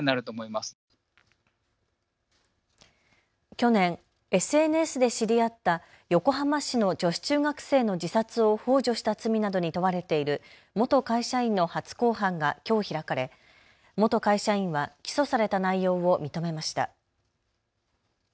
去年、ＳＮＳで知り合った横浜市の女子中学生の自殺をほう助した罪などに問われている元会社員の初公判がきょう開かれ、元会社員は起訴された内容を認めました。